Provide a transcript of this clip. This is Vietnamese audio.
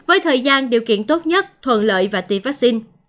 với thời gian điều kiện tốt nhất thuận lợi và tiêm vaccine